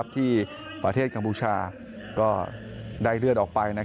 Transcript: ที่ประเทศกัมพูชาก็ได้เลือดออกไป